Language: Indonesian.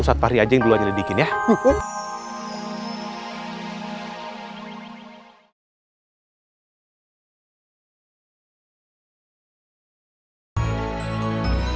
ustaz fahri aja yang dulu aja lidikin ya